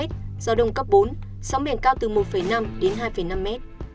gió đông cấp bốn sóng bền cao từ một năm hai năm m